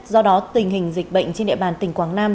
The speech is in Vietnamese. do đó tình hình dịch bệnh trên địa bàn tỉnh quảng nam